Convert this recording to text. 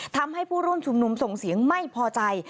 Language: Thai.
ทำให้ผู้ร่วมชุมนุมส่งเสียงไม่พอใจ